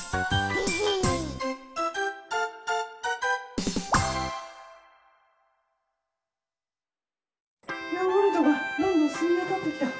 でへへヨーグルトがどんどんしみわたってきた。